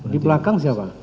di belakang siapa